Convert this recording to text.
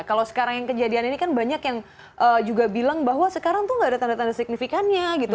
kalau sekarang yang kejadian ini kan banyak yang juga bilang bahwa sekarang tuh gak ada tanda tanda signifikannya gitu